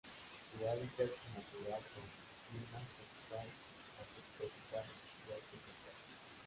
Su hábitat natural son: clima tropical o subtropical, bosques secos.